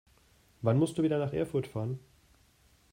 Wann musst du wieder nach Erfurt fahren?